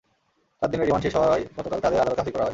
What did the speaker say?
চার দিনের রিমান্ড শেষ হওয়ায় গতকাল তাঁদের আদালতে হাজির করা হয়।